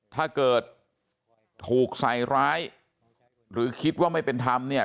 ถ้าเกิดถูกใส่ร้ายหรือคิดว่าไม่เป็นธรรมเนี่ย